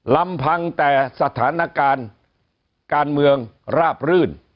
ลำพังแต่สถานการณ์การเมืองราบรื่น